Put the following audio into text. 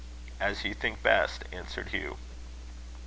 "As you think best," answered Hugh.